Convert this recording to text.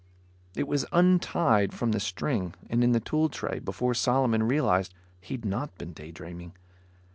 It was untied from the string, and in the tool tray, before Solomon realized he'd not been daydreaming.